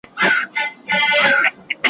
زه اجازه لرم چي سبزیجات تيار کړم؟